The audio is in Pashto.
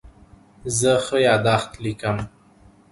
زه ښه یادښت لیکم.